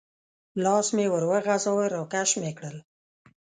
لاس مې ور وغځاوه، را کش مې کړل.